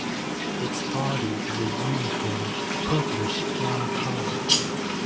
Its body is a uniform purplish-brown color.